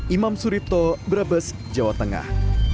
imam suripto brebes jawa tengah